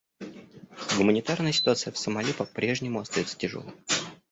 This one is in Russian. Гуманитарная ситуация в Сомали по-прежнему остается тяжелой.